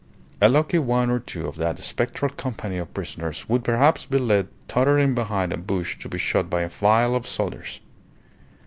A lucky one or two of that spectral company of prisoners would perhaps be led tottering behind a bush to be shot by a file of soldiers.